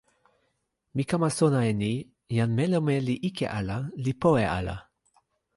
mi kama sona e ni: jan melome li ike ala, li powe ala.